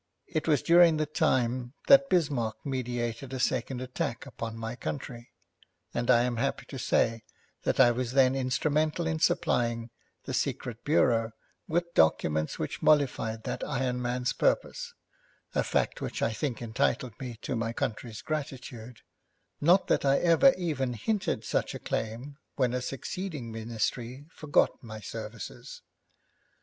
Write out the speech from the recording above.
It was during the time that Bismarck meditated a second attack upon my country, and I am happy to say that I was then instrumental in supplying the Secret Bureau with documents which mollified that iron man's purpose, a fact which I think entitled me to my country's gratitude, not that I ever even hinted such a claim when a succeeding ministry forgot my services.